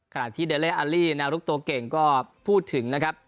ขณะที่เดเลอารี่แนวรุกตัวเก่งก็พูดถึงนะครับ